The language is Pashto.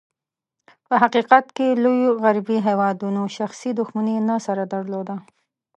په حقیقت کې، لوېو غربي هېوادونو شخصي دښمني نه سره درلوده.